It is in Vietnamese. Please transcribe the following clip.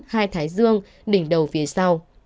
hai thái dương đỉnh đầu phía sau